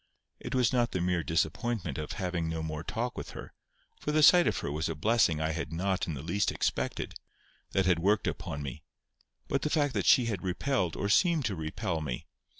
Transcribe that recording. It was not the mere disappointment of having no more talk with her, for the sight of her was a blessing I had not in the least expected, that had worked upon me, but the fact that she had repelled or seemed to repel me.